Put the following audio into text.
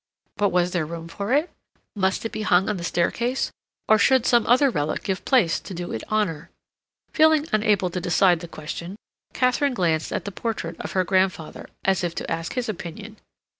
But was there room for it? Must it be hung on the staircase, or should some other relic give place to do it honor? Feeling unable to decide the question, Katharine glanced at the portrait of her grandfather, as if to ask his opinion.